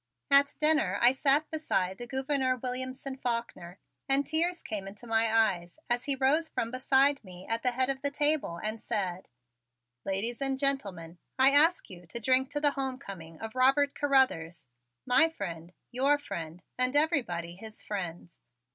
At dinner I sat beside the Gouverneur Williamson Faulkner and tears came into my eyes as he rose from beside me at the head of the table and said: "Ladies and gentlemen, I ask you to drink to the homecoming of Robert Carruthers, my friend, your friend, and everybody his friends."